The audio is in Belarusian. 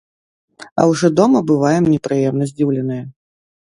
А ўжо дома бываем непрыемна здзіўленыя.